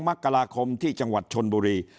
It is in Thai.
มกราคมที่จังหวัดชนบุรี